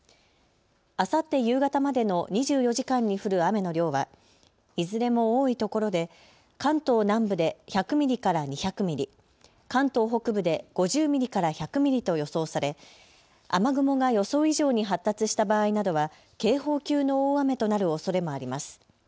あさって夕方までの２４時間に降る雨の量はいずれも多いところで関東南部で１００ミリから２００ミリ、関東北部で５０ミリから１００ミリと予想され雨雲が予想以上に発達した場合などは警報級の大雨となるおそれもあります。